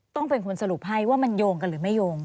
ต้องเป็นคนสรุปให้ว่ามันโยงกันหรือไม่โยง